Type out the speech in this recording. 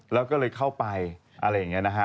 แล้วก็เลยเข้าไปอะไรอย่างนี้นะฮะ